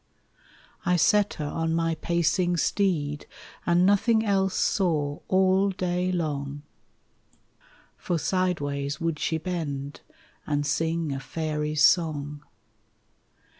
I set her on my pacing steed And nothing else saw all day long, (1681 RAINBOW GOLD For sideways would she bend, and sing A faery's song.